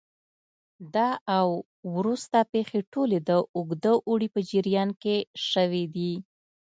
دا او وروسته پېښې ټولې د اوږده اوړي په جریان کې شوې دي